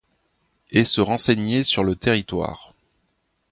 Et se renseigner sur le territoire.